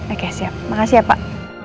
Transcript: oke siap makasih ya pak